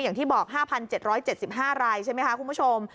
อย่างที่บอก๕๗๗๕รายใช่ไหมคะคุณผู้ชม